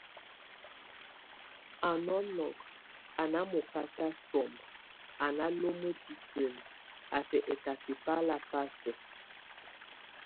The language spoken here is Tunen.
A nɔnɔk, a ná mokáta somba, a náloma bisen, a sɛk étasɛ bá la ba sɛk.